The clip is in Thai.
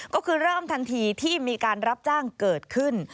ก็คือเริ่มทันทีที่มีการรับจ้างเกิดขึ้น